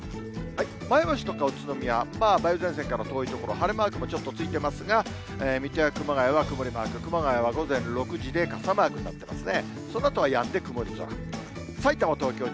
前橋とか宇都宮、梅雨前線から遠い所、晴れマークもちょっとついてますが、水戸や熊谷は曇りマーク、熊谷は午前６時で傘マークになってますね。